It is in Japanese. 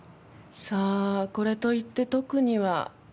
さあこれといって特には。